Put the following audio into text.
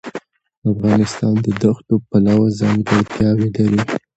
افغانستان د دښتو پلوه ځانګړتیاوې لري.